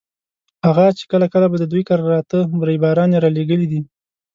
هغه چې کله کله به د دوی کره راته ريباران یې رالېږلي دي.